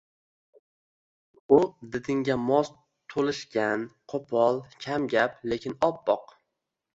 U didingga mos to`lishgan, qo`pol, kamgap, lekin oppoq